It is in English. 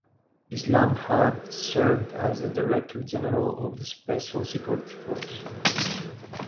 Islam had served as the Director General of the Special Security Force.